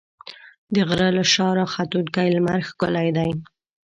د غره له شا راختونکی لمر ښکلی دی.